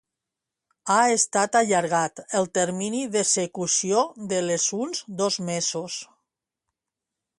Ha estat allargat el termini d'execució de les uns dos mesos.